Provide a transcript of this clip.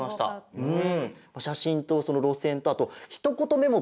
うん。